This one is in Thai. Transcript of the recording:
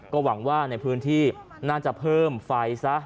ก็หวังว่าในพื้นที่น่าจะเพิ่มไฟซะ